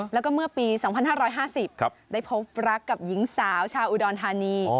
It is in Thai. แล้วก็เมื่อปี๒๕๕๐ได้พบรักกับหญิงสาวชาวอุดรธานี